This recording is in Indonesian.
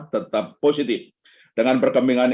tetap positif dengan perkembangan